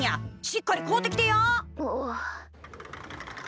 しっかり買うてきてや。